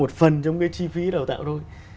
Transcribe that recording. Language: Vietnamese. một phần trong cái chi phí đào tạo thôi